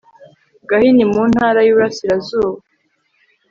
Gahini mu Ntara y i Burasirazuba